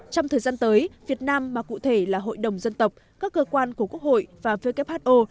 trong thời gian tới việt nam mà cụ thể là hội đồng dân tộc các cơ quan của quốc hội và who